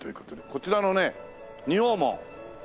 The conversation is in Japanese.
こちらのね仁王門。